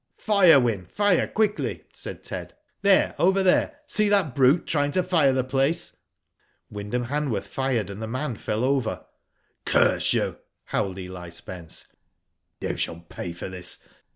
"Fire, Wyn, fire quickly," said Ted. "There, over there. See that brute trying to fire the place." Wyndham Hanworth fired, and the man fell over. "Curse you," howled Eli Spence.